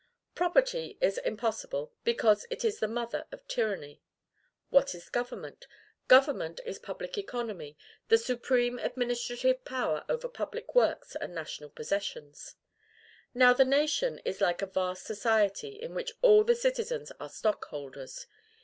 Property is impossible, because it is the Mother of Tyranny. What is government? Government is public economy, the supreme administrative power over public works and national possessions. Now, the nation is like a vast society in which all the citizens are stockholders.